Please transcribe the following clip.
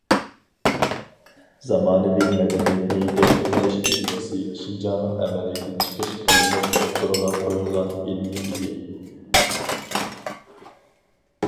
زامانىۋى مەدەنىيەتنى يېتەكچى قىلىش ئىدىيەسى شىنجاڭنىڭ ئەمەلىيىتى چىقىش قىلىنىپ ئوتتۇرىغا قويۇلغان ئىلمىي ئىدىيە.